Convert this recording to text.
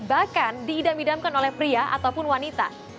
bahkan diidam idamkan oleh pria ataupun wanita